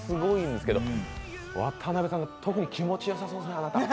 ワタナベさんが、特に気持ちよさそうですね、あなた。